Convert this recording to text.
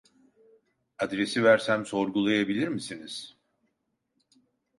Adresi versem sorgulayabilir misiniz